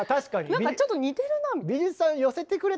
なんかちょっと似てるな。